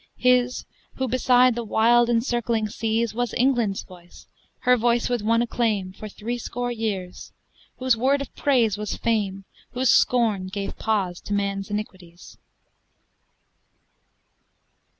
His who, beside the wild encircling seas, Was England's voice, her voice with one acclaim, For threescore years; whose word of praise was fame, Whose scorn gave pause to man's iniquities.